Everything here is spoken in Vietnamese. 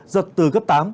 giật từ cấp tám